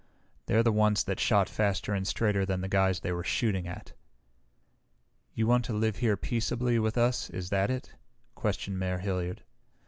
They're the ones that shot faster and straighter than the guys they were shooting at." "You want to live here peaceably with us, is that it?" questioned Mayor Hilliard.